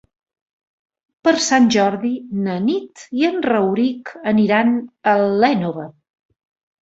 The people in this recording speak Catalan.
Per Sant Jordi na Nit i en Rauric aniran a l'Énova.